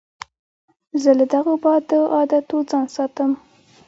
زه له بدو عادتو ځان ساتم.